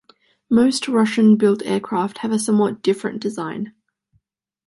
Most Russian-built aircraft have a somewhat different design.